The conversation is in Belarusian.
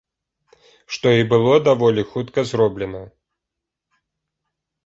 Што і было даволі хутка зроблена.